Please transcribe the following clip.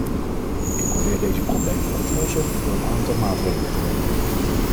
Ik probeer deze problemen op te lossen door een aantal maatregelen te nemen.